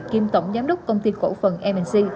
kim tổng giám đốc công ty cổ phần mnc